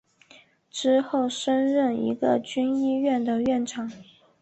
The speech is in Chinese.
之后升任一个军医院的院长。